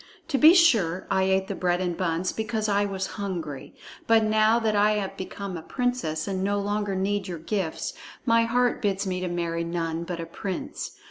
To be sure, I ate the bread and buns because I was hungry. But now that I am become a princess and no longer need your gifts, my heart bids me to marry none but a prince.